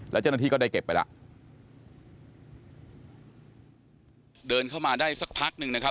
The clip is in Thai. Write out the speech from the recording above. แล้วเจ้าหน้าที่ก็ได้เก็บไปแล้วเดินเข้ามาได้สักพักหนึ่งนะครับ